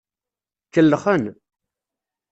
Kellxen.